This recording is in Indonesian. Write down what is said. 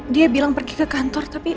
dia bilang pergi ke kantor tapi